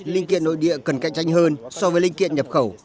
linh kiện nội địa cần cạnh tranh hơn so với linh kiện nhập khẩu